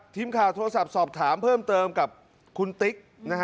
ทีมข่าวโทรศัพท์สอบถามเพิ่มเติมกับคุณติ๊ก